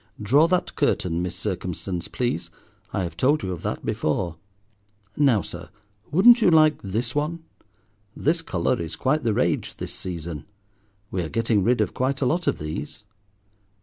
(Draw that curtain, Miss Circumstance, please. I have told you of that before.) Now, sir, wouldn't you like this one? This colour is quite the rage this season; we are getting rid of quite a lot of these."